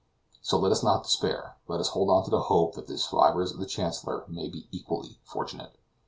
So let us not despair; let us hold on to the hope that the survivors of the Chancellor may be equally fortunate."